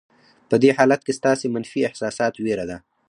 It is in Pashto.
په دې حالت کې ستاسې منفي احساسات وېره ده.